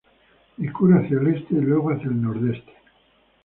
Discurre hacia el este y luego hacia el nordeste.